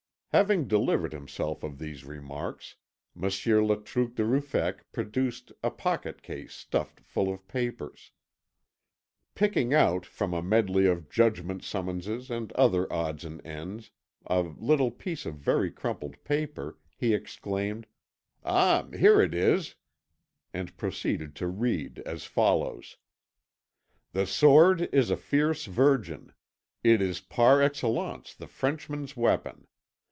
Having delivered himself of these remarks, Monsieur Le Truc de Ruffec produced a pocket case stuffed full of papers. Picking out from a medley of judgment summonses and other odds and ends a little piece of very crumpled paper, he exclaimed, "Ah, here it is," and proceeded to read as follows: "'The Sword is a fierce Virgin; it is par excellence the Frenchman's weapon.